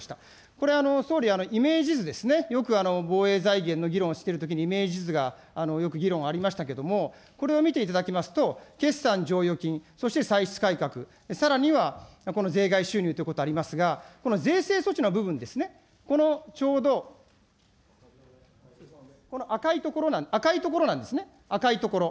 これは総理、イメージ図ですね、よく防衛財源の議論をしているときにイメージ図がよく議論ありましたけども、これを見ていただきますと、決算剰余金、そして歳出改革、さらにはこの税外収入ということがありますが、この税制措置の部分ですね、このちょうどこの赤いところなんですね、赤いところ。